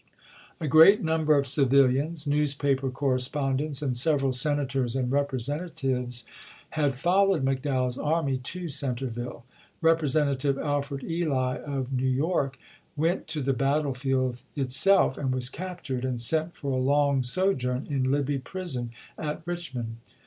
A great number of civilians, newspaper corre spondents, and several Senators and Representa tives had followed McDowell's army to Centre ville; Representative Alfred Ely of New York, went to the battlefield itself, and was captured and sent for a long sojourn in Libby Prison at Richmond.